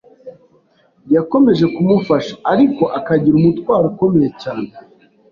yakomeje kumufasha, ariko akagira umutwaro ukomeye cyane